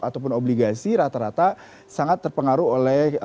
ataupun obligasi rata rata sangat terpengaruh oleh